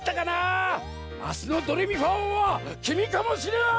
あすのドレミファおうはきみかもしれない！